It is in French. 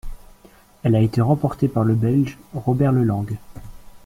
Elle a été remportée par le Belge Robert Lelangue.